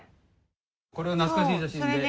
これは懐かしい写真で。